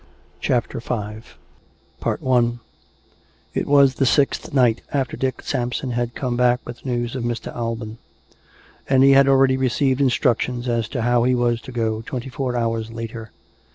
CHAPTER V It was the sixth night after Dick Sampson had come back with news of Mr. Alban; and he had already received in structions as to how he was to go twenty four hours later.